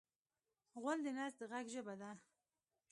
غول د نس د غږ ژبه ده.